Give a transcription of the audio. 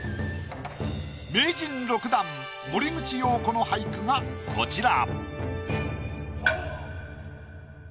名人６段森口瑤子の俳句がこちら。